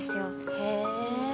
へえ。